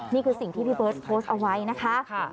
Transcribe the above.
นี่คือสิ่งที่พี่เบิร์ตโพสต์เอาไว้นะคะ